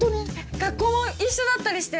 学校も一緒だったりして。